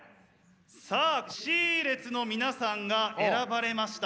さあＣ列の皆さんが選ばれました。